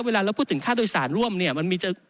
เวลาเราพูดถึงค่าโดยสารร่วมเนี่ยมันมีจะ